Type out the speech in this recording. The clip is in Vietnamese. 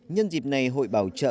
nhân dịp này hội bảo trợ